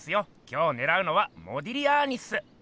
今日ねらうのは「モディリアーニ」っす。